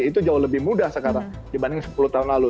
itu jauh lebih mudah sekarang dibanding sepuluh tahun lalu